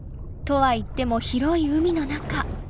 とはいっても広い海の中。